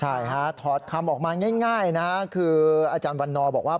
ใช่ฮะถอดคำออกมาง่ายนะฮะคืออาจารย์วันนอบอกว่า